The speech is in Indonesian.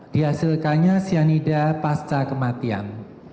dihasilkannya cyanida pasca kematian